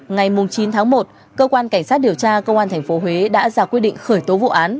ngày chín tháng một cơ quan cảnh sát điều tra công an thành phố huế đã ra quy định khởi tố vụ án